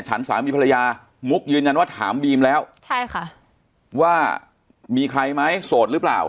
ฉันสามีภรรยามุกยืนยันว่าถามบีมแล้วใช่ค่ะว่ามีใครไหมโสดหรือเปล่า